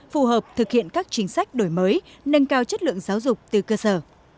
phù hợp thực hiện các chính sách đổi mới nâng cao chất lượng giáo dục từ cơ sở